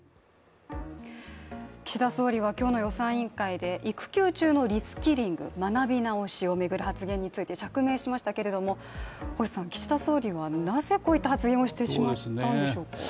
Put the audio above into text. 岸田総理は今日の予算委員会で育休中のリスキリング＝学び直しを巡る発言について釈明しましたけれども岸田総理はなぜこういった発言をしてしまったのでしょうか。